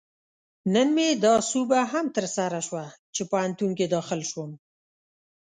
نن مې دا سوبه هم ترسره شوه، چې پوهنتون کې داخل شوم